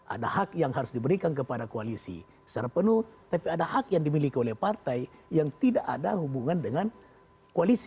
ada hak yang harus diberikan kepada koalisi secara penuh tapi ada hak yang dimiliki oleh partai yang tidak ada hubungan dengan koalisi